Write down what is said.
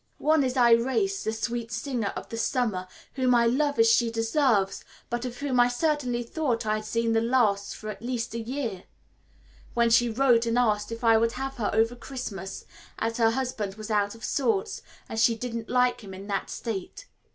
One is Irais, the sweet singer of the summer, whom I love as she deserves, but of whom I certainly thought I had seen the last for at least a year, when she wrote and asked if I would have her over Christmas, as her husband was out of sorts, and she didn't like him in that state.